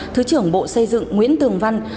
thứ trưởng bộ xây dựng nguyễn tường văn